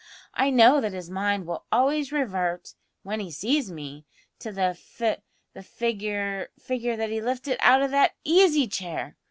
I know that his mind will always revert, when he sees me, to the fi fig the figure that he lifted out of that easy chair.